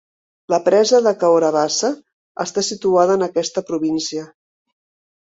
La presa de Cahora Bassa està situada en aquesta província.